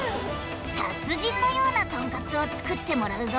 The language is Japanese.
達人のようなトンカツを作ってもらうぞ！